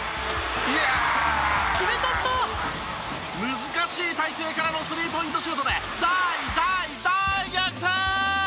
難しい体勢からのスリーポイントシュートで大大大逆転！